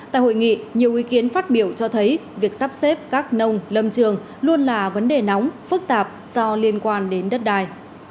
tại hội nghị nhiều ý kiến phát biểu cho thấy việc sắp xếp các nông lâm trường luôn là vấn đề nóng phức tạp do liên quan đến đất đai